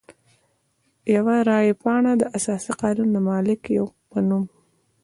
یوه رای پاڼه د اساسي قانون د مالک په نوم.